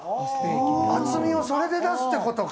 厚みをそれで出すっていうことか。